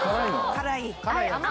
辛い？